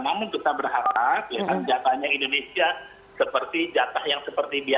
namun kita berharap jatahnya indonesia seperti jatah yang seperti biasa